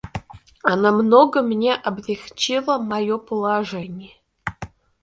Она много мне облегчила мое положение.